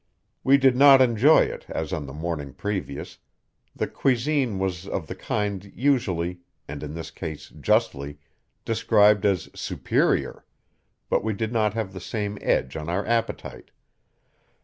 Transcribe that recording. We did not enjoy it as on the morning previous; the cuisine was of the kind usually and in this case justly described as "superior," but we did not have the same edge on our appetite.